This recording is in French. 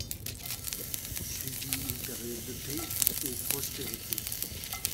Suivit une période de paix et prospérité.